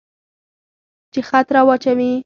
چې خط را واچوي.